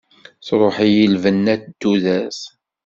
Truḥ-iyi lbenna n tudert.